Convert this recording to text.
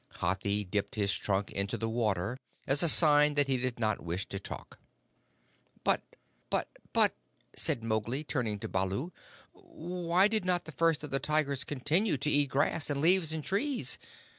Hathi dipped his trunk into the water as a sign that he did not wish to talk. "But but but," said Mowgli, turning to Baloo, "why did not the First of the Tigers continue to eat grass and leaves and trees?